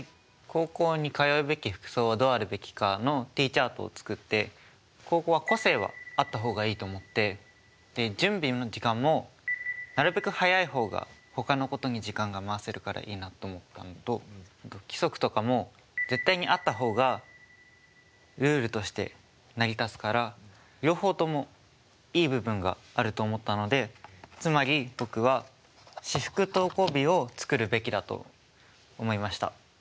高校に通うべき服装はどうあるべきかのＴチャートを作って高校は個性はあった方がいいと思って準備の時間もなるべく早い方が他のことに時間が回せるからいいなと思ったのと規則とかも絶対にあった方がルールとして成り立つから両方ともいい部分があると思ったのでつまり僕は私服登校日を作るべきだと思いました。